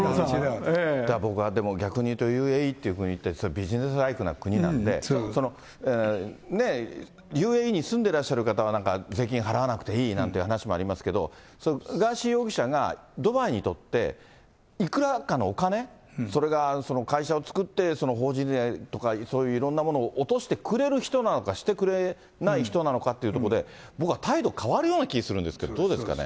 だから僕は逆にいうと、ＵＡＥという国は、ビジネスライクな国なんで、ＵＡＥに住んでらっしゃる方は、なんか税金払わなくていいなんていう話もありますけど、ガーシー容疑者が、ドバイにとって、いくらかのお金、それが会社を作って、法人税とか、そういういろんなものを落としてくれる人なのか、してくれない人なのかということで、僕は態度変わるような気がするんですけどね。